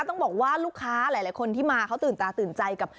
ต้องบอกว่าลูกค้าหลายคนที่มาเขาตื่นตาตื่นใจกับ